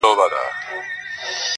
اوس مي له هري لاري پښه ماته ده_